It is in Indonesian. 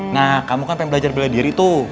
nah kamu kan pengen belajar bela diri tuh